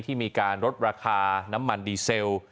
ที่มีการลดราคาน้ำมันดีเซล